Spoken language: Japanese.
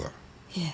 いえ。